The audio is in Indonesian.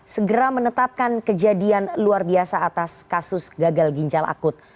segera menetapkan kejadian luar biasa atas kasus gagal ginjal akut